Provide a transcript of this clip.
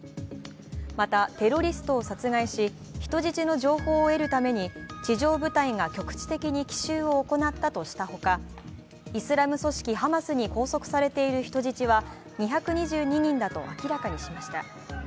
また、テロリストを殺害し、人質の情報を得るために地上部隊が局地的に奇襲を行ったとしたほかイスラム組織ハマスに拘束されている人質は２２２人だと明らかにしました。